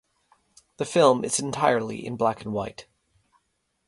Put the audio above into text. The film is entirely in black-and-white.